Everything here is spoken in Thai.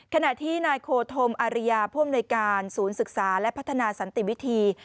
ขณะที่นายโคธมอาริยาผู้อำนวยการศูนย์ศึกษาและพัฒนาสันติวิธี